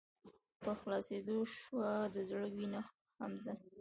په خلاصيدو شــوه د زړه وينه حمزه